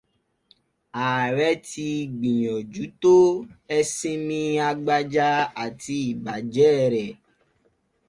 Ààrẹ ti gbìyànjú tó, ẹ sinmi agbaja àti ìbàjẹ́ rẹ̀.